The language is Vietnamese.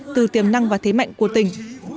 từ tiềm năng và thế mạnh của tỉnh